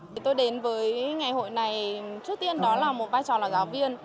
thì tôi đến với ngày hội này trước tiên đó là một vai trò là giáo viên